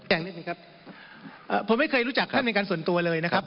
อย่างนิดหนึ่งครับผมไม่เคยรู้จักท่านเป็นการส่วนตัวเลยนะครับ